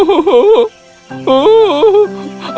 aku serigala yang jahat